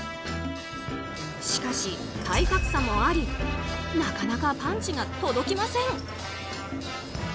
しかし、体格差もありなかなかパンチが届きません。